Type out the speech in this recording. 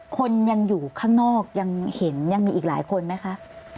คนยังอยู่ข้างนอกยังเห็นยังมีอีกหลายคนไหมคะ